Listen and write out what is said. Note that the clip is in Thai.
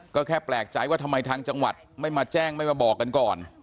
ก็แค่แปลกใจว่าทำไมทางจังหวัดไม่มาแจ้งไม่มาบอกกันก่อน